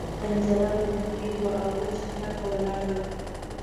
پنجره ګونګۍ وه او وچه کلکه ولاړه وه.